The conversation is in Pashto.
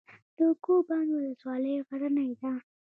د کوه بند ولسوالۍ غرنۍ ده